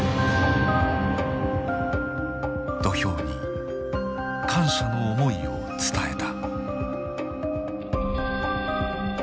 土俵に感謝の思いを伝えた。